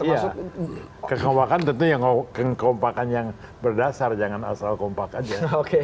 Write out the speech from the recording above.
ya kekompakan tentunya yang berdasar jangan asal kompak aja